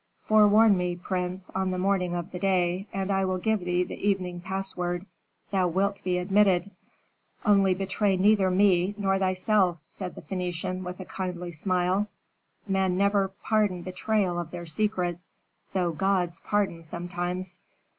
"Forewarn me, prince, on the morning of the day, and I will give thee the evening password; thou wilt be admitted. Only betray neither me nor thyself," said the Phœnician, with a kindly smile. "Men never pardon betrayal of their secrets, though gods pardon sometimes."